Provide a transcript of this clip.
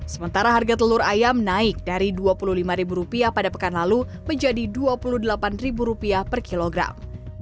sementara harga telur ayam naik dari dua puluh lima ribu rupiah pada pekan lalu menjadi dua puluh delapan ribu rupiah per kilogram